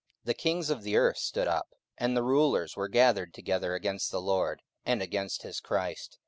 44:004:026 The kings of the earth stood up, and the rulers were gathered together against the Lord, and against his Christ.